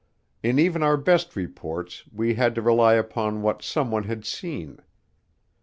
In even our best reports we had to rely upon what someone had seen.